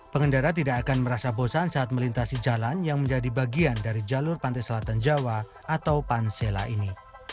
pengendara tidak akan merasa bosan saat melintasi jalan yang menjadi bagian dari jalur pantai selatan jawa atau pansela ini